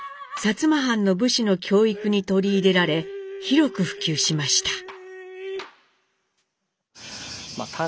薩摩藩の武士の教育に取り入れられ広く普及しました。